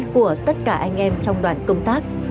của tất cả anh em trong đoàn công tác